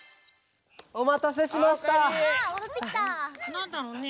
なんだろうね？